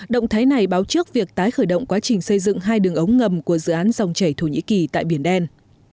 động thái này báo trước việc tái khởi động quá trình xây dựng hai đường ống ngầm của dự án dòng chảy thổ nhĩ kỳ tại biển đen